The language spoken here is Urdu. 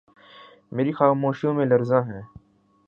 میری خاموشیوں میں لرزاں ہے